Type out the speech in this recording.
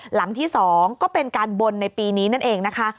หลังที่๒ก็เป็นการบนในปีนี้นั่นเองนะคะ